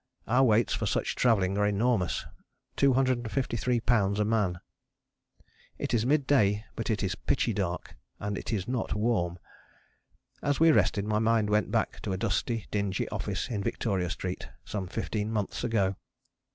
Our weights for such travelling are enormous 253 lbs. a man. It is mid day but it is pitchy dark, and it is not warm. As we rested my mind went back to a dusty, dingy office in Victoria Street some fifteen months ago.